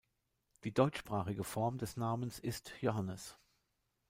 Die deutschsprachige Form des Namens ist Johannes.